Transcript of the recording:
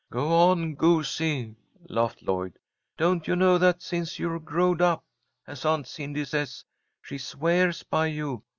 "Go on, goosey," laughed Lloyd. "Don't you know that since you're 'growed up,' as Aunt Cindy says, she swears by you?